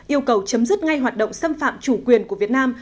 yêu cầu chấm dứt ngay hoạt động xâm phạm chủ quyền của việt nam